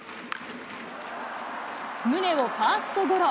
宗をファーストゴロ。